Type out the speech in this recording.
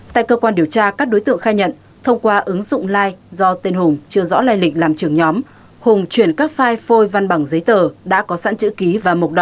tại cơ quan điều tra các đối tượng khai nhận thông qua ứng dụng lai do tên hùng chưa rõ lây lịch làm trưởng nhóm hùng chuyển các file phôi văn bằng giấy tờ đã có sẵn chữ ký và mộc đỏ